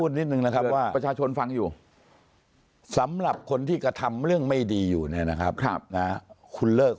เดี๋ยวสำหรับคนที่กระทำเรื่องไม่ดีอยู่นะครับคุณเลิก